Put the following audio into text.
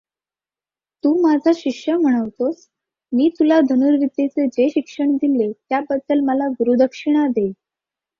तू माझा शिष्य म्हणवतोस, मी तुला धनुर्विद्येचे जे शिक्षण दिले त्याबद्दल मला गुरूदक्षिणा दे.